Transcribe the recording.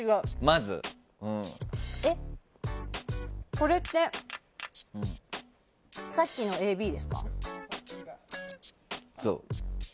これってさっきのＡ、Ｂですか？